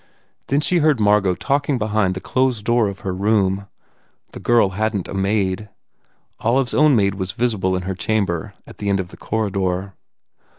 Then she heard Margot talking behind the closed door of her room. The girl hadn t a maid. Olive s own maid was visible in her chamber at the end of the corridor.